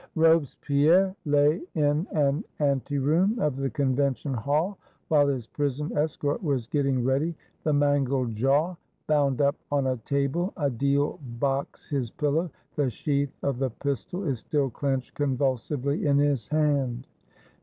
Robespierre lay in an anteroom of the Convention Hall, while his Prison escort was getting ready; the mangled jaw bound up on a table, a deal box his pillow; the sheath of the pistol is still clenched convulsively in his hand.